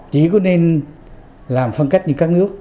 chỉ có nên làm phân cách như các nước